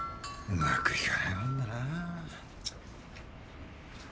うまくいかないもんだな。